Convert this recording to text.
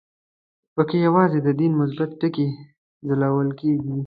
په کې یوازې د دین مثبت ټکي ځلول کېږي.